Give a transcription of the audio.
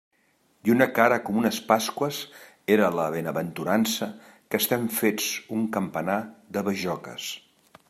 I una cara com unes pasqües era la benaventurança que estem fets un campanar de bajoques.